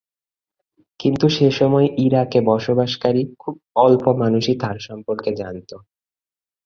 কিন্তু সেসময় ইরাকে বসবাসকারী খুব অল্প মানুষই তার সম্পর্কে জানত।